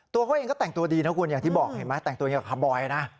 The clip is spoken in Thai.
ตัวเขาเองก็แต่งตัวดีนะคุณอย่างที่บอกเห็นไหมแต่งตัวอย่างคาร์บอยนะ